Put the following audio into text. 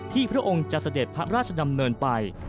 พระองค์จะเสด็จพระราชดำเนินไป